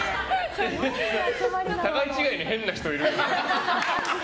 互い違いに変な人がいる。